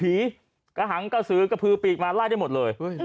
ไล่ทุกผีกระหังกระศือกระพือปีกมาไล่ได้หมดเลย